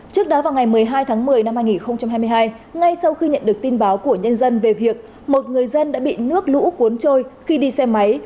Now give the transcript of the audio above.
trước đó vào ngày một mươi hai tháng một mươi năm hai nghìn hai mươi hai ngay sau khi nhận được tin báo của nhân dân về việc một người dân đã bị nước lũ cuốn trôi khi đi xe máy